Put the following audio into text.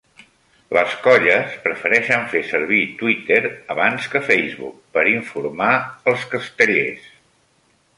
Les colles prefereixen fer servir Twitter abans que Facebook per informar els castellers.